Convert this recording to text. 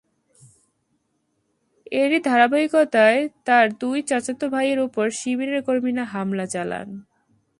এরই ধারাবাহিকতায় তাঁর দুই চাচাতো ভাইয়ের ওপর শিবিরের কর্মীরা হামলা চালান।